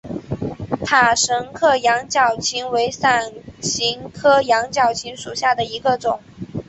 塔什克羊角芹为伞形科羊角芹属下的一个种。